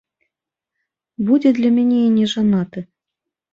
Будзе для мяне і нежанаты.